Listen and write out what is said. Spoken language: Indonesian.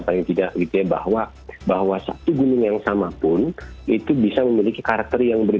paling tidak gitu ya bahwa satu gunung yang sama pun itu bisa memiliki karakter yang berbeda